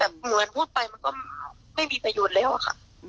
เหมือนพูดไปมันก็ไม่มีประโยชน์แล้วอะค่ะ